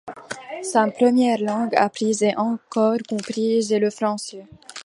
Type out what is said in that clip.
Sa première langue apprise et encore comprise est le français.